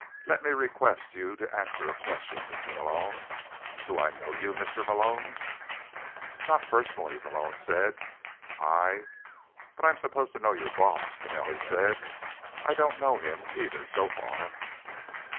Let me request you to answer a question, Mr. Malone: do I know you, Mr. Malone?" "Not personally," Malone said. "I—" "But I'm supposed to know your boss," Manelli said. "I don't know him, either, so far."